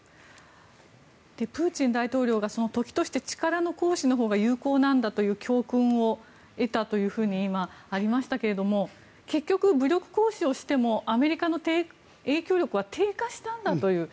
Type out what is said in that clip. プーチン大統領が時として力の行使のほうが有効なんだという教訓を得たというふうに今、ありましたけれども結局、武力行使をしてもアメリカの影響力は低下したんだという。